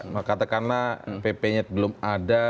maka katakanlah ppnya belum ada